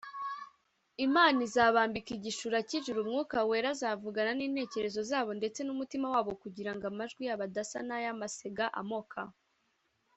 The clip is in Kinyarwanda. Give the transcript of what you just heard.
imana izabambika igishura cy’ijuru mwuka wera azavugana n’intekerezo zabo ndetse n’umutima wabo, kugira ngo amajwi yabo adasa n’ay’amasega amoka